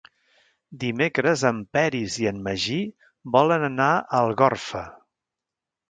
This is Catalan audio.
Dimecres en Peris i en Magí volen anar a Algorfa.